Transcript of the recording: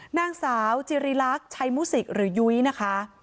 นั่งสาวจีรีรักชายมูสิกหรือยุ้ยนะคะ